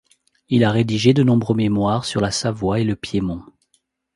Il a rédigé de nombreux mémoires sur la Savoie et le Piémont.